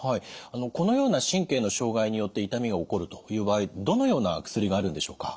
このような神経の障害によって痛みが起こるという場合どのような薬があるんでしょうか？